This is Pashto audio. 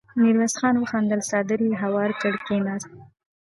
ميرويس خان وخندل، څادر يې هوار کړ، کېناست.